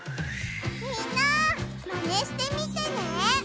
みんなマネしてみてね！